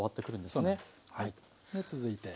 で続いて。